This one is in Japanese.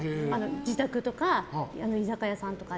自宅とか居酒屋さんとかで。